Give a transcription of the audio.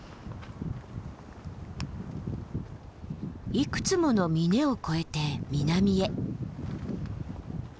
いくつもの峰を越えて南へ。